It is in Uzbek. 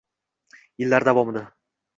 Yillar davomida